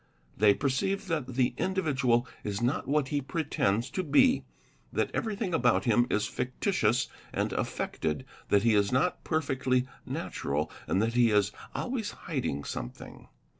They perceive that the individual is not what he pretends to be, that everything about him is fictitious and affected, that he is not perfectly natural, and that he is ~ always hiding something.